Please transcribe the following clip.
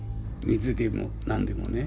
水でも何でもね。